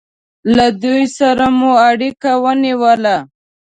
له دوی سره مو اړیکه ونیوله.